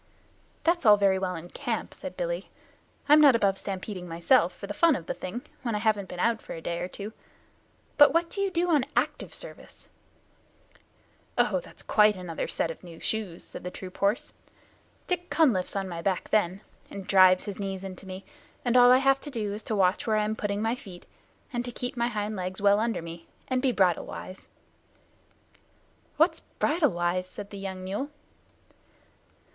"That's all very well in camp," said Billy. "I'm not above stampeding myself, for the fun of the thing, when I haven't been out for a day or two. But what do you do on active service?" "Oh, that's quite another set of new shoes," said the troop horse. "Dick Cunliffe's on my back then, and drives his knees into me, and all I have to do is to watch where I am putting my feet, and to keep my hind legs well under me, and be bridle wise." "What's bridle wise?" said the young mule.